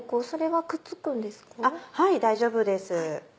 はい大丈夫です。